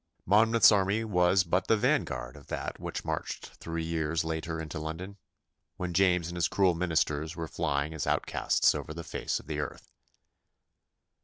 Monmouth's army was but the vanguard of that which marched throe years later into London, when James and his cruel ministers were flying as outcasts over the face of the earth.